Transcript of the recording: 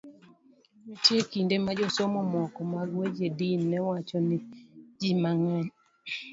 Nitie kinde ma josomo moko mag weche din ne wacho ni ji mang'eny